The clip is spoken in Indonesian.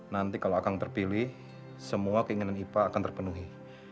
nanti kalau akang terpilih semua keinginan ipa akan terpenuhi